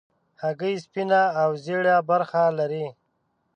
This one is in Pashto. هګۍ سپینه او ژېړه برخه لري.